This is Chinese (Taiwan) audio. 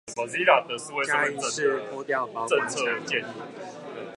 嘉義市拖吊保管場